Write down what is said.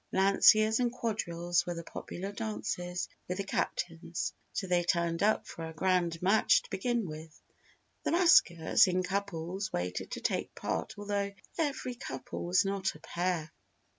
Lanciers and quadrilles were the popular dances with the captains, so they tuned up for a grand march to begin with. The maskers, in couples, waited to take part although "every couple was not a pair."